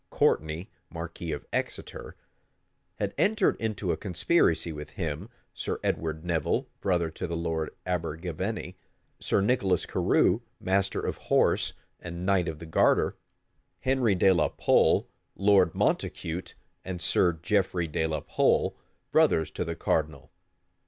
Courtney, marquis of Exeter, had entered into a conspiracy with him; Sir Edward Nevil, brother to the lord Abergavenny; Sir Nicholas Carew, master of horse, and knight of the garter; Henry de la Pole, Lord Montacute, and Sir Geoffrey de la Pole, brothers to the cardinal.